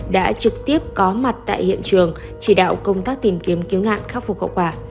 đã trực tiếp có mặt tại hiện trường chỉ đạo công tác tìm kiếm cứu nạn khắc phục hậu quả